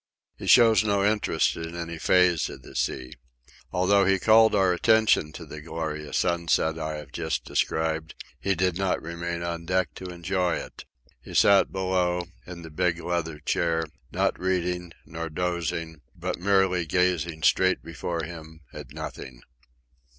He shows no interest in any phase of the sea. Although he called our attention to the glorious sunset I have just described, he did not remain on deck to enjoy it. He sat below, in the big leather chair, not reading, not dozing, but merely gazing straight before him at nothing.